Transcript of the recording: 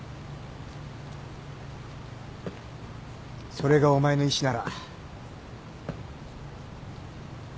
それがお前の意思なら。